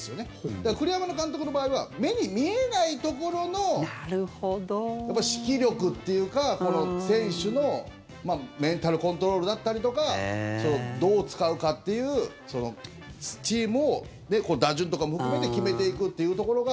だから栗山監督の場合は目に見えないところの指揮力っていうか選手のメンタルコントロールだったりとかどう使うかっていうチームを打順とかも含めて決めていくというところが。